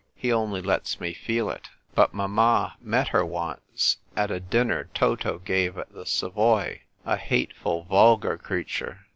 He only lets me feel it. But mamma met her once at a dinner Toto gave at the Savoy — a hateful vulgar creature!